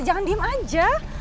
jangan diem aja